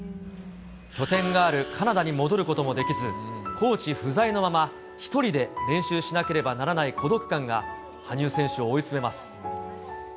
拠点があるカナダに戻ることもできず、コーチ不在のまま１人で練習しなければならない孤独感が、羽生選手を追い詰めます。